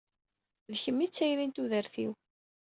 D kemm i d tayri n tudert-iw.